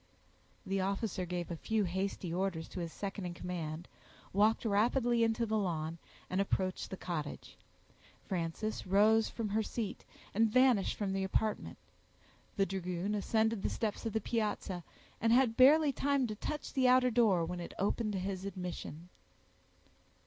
The officer gave a few hasty orders to his second in command, walked rapidly into the lawn, and approached the cottage. Frances rose from her seat, and vanished from the apartment. The dragoon ascended the steps of the piazza, and had barely time to touch the outer door, when it opened to his admission.